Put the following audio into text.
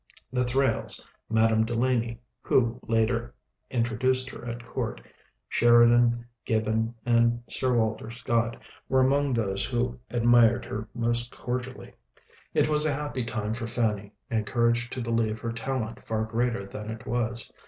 The Thrales, Madame Delaney, who later introduced her at court, Sheridan, Gibbon, and Sir Walter Scott, were among those who admired her most cordially. It was a happy time for Fanny, encouraged to believe her talent far greater than it was.